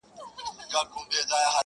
• منتظر مي د هغه نسیم رویبار یم ,